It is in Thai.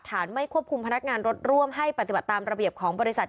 ไม่ควบคุมพนักงานรถร่วมให้ปฏิบัติตามระเบียบของบริษัท